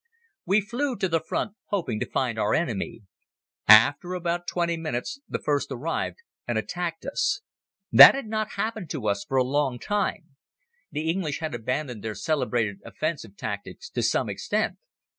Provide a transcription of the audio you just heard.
We flew to the front hoping to find our enemy. After about twenty minutes the first arrived and attacked us. That had not happened to us for a long time. The English had abandoned their celebrated offensive tactics to some extent.